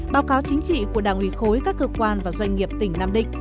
báo cáo chính trị của đảng ủy khối các cơ quan và doanh nghiệp tỉnh nam định